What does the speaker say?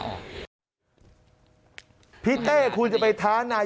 ขอบคุณครับ